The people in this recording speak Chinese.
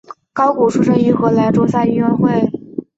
高古出身于荷兰中下游球会。